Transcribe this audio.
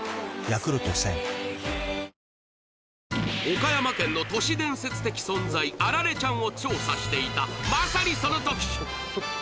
岡山県の都市伝説的存在アラレちゃんを調査していたまさにそのとき！